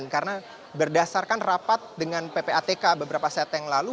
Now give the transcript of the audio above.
karena berdasarkan rapat dengan ppatk beberapa set yang lalu